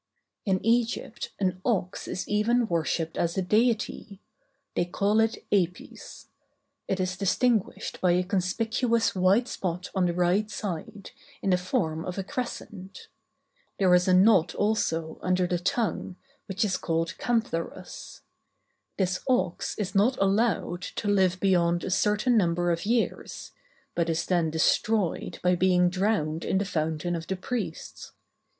In Egypt an ox is even worshipped as a deity; they call it Apis. It is distinguished by a conspicuous white spot on the right side, in the form of a crescent. There is a knot also under the tongue, which is called "cantharus." This ox is not allowed to live beyond a certain number of years; but is then destroyed by being drowned in the fountain of the priests.